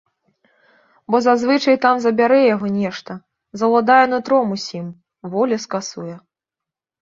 Бо зазвычай там забярэ яго нешта, заўладае нутром усім, волю скасуе.